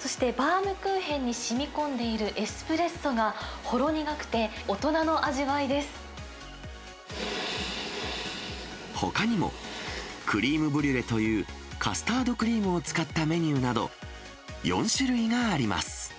そして、バウムクーヘンにしみこんでいるエスプレッソがほろ苦くて、ほかにも、クリームブリュレというカスタードクリームを使ったメニューなど、４種類があります。